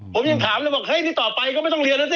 ผมยังถามเลยบอกเฮ้ยนี่ต่อไปก็ไม่ต้องเรียนแล้วสิ